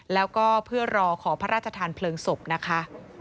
แล้วก็เพื่อรอขอพระราชทานเพลิงศพนะคะ